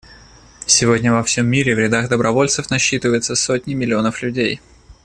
Сегодня во всем мире в рядах добровольцев насчитывается сотни миллионов людей.